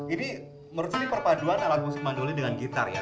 ini menurut saya ini perpaduan alat musik mandoli dengan gitar ya